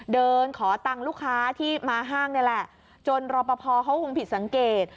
เดินขอตังค์ลูกค้าที่มาห้างนี่แหละจนรอปภเขาคงผิดสังเกต